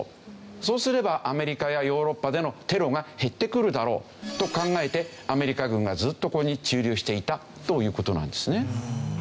そうすればアメリカやヨーロッパでのテロが減ってくるだろうと考えてアメリカ軍がずっとここに駐留していたという事なんですね。